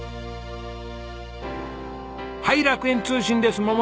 はい楽園通信です。